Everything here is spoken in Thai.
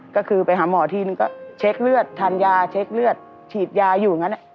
ก็คือไปหาหมอทีนึงก็เช็คเลือดทานยาเช็คเลือดฉีดยาอยู่อย่างนั้น